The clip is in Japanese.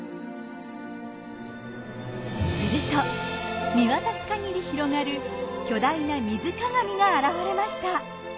すると見渡す限り広がる巨大な水鏡が現れました。